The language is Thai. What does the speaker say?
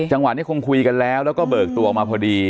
จังหวะนี้คงคุยกันแล้วแล้วก็เบิกตัวออกมาพอดี